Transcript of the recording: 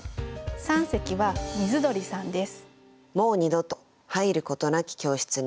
三席は水鳥さんです。